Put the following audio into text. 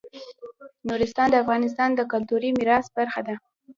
نورستان د افغانستان د کلتوري میراث برخه ده.